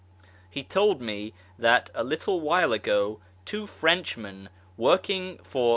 He told me that a little while ago two Frenchmen (working for M.